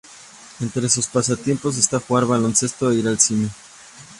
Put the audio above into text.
Entre sus pasatiempos está jugar baloncesto e ir al cine.